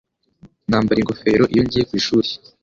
Nambara ingofero iyo ngiye ku ishuri.